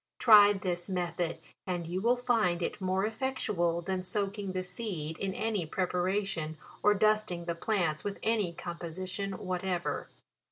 Try this method, and you will find it more effectual than soaking the seed in any pre paration, or dusting the plants with any com position whatever.